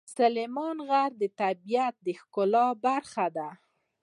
سلیمان غر د طبیعت د ښکلا برخه ده.